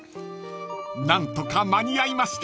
［何とか間に合いました］